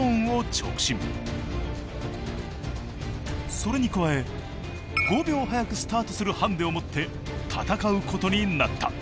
それに加え５秒早くスタートするハンデを持って戦うことになった。